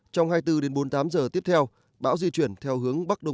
trong hai mươi bốn đến bốn mươi tám giờ tiếp theo bão di chuyển theo hướng bắc đông